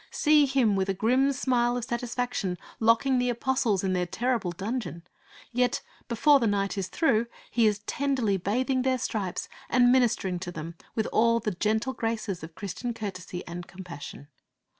See him, with a grim smile of satisfaction, locking the apostles in their terrible dungeon; yet before the night is through, he is tenderly bathing their stripes and ministering to them with all the gentle graces of Christian courtesy and compassion!'